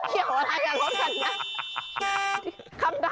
เกี่ยวอะไรกับรถคันนี้